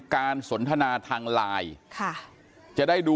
การสนทนาทางไลน์